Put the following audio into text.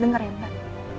denger ya mbak